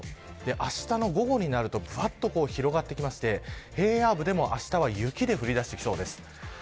あしたの午後になると広がってきまして平野部でもあしたは雪が降りだしてきそうです。